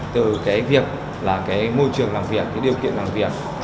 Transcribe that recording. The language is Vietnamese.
từ việc môi trường làm việc điều kiện làm việc